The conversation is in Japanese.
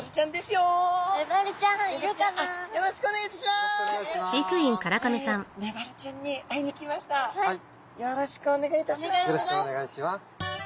よろしくお願いします。